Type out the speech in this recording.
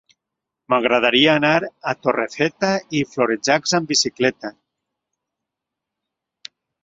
M'agradaria anar a Torrefeta i Florejacs amb bicicleta.